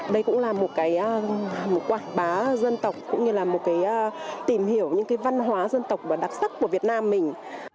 đây cũng là một cái quảng bá dân tộc cũng như là một cái tìm hiểu những cái văn hóa dân tộc và đặc sắc của việt nam mình